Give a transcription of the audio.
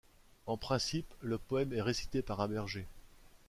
En principe, le poème est récité par un berger.